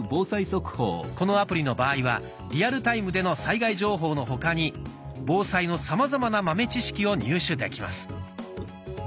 このアプリの場合はリアルタイムでの災害情報の他に防災のさまざまな豆知識を入手できます。